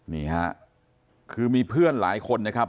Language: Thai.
นี่ฮะคือมีเพื่อนหลายคนนะครับ